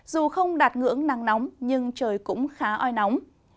dù không đạt ngưỡng nắng nóng nhưng trời cũng khá oi nóng